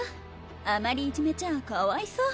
あまりいじめちゃあかわいそう。